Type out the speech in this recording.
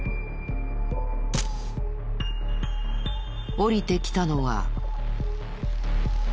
降りてきたのは。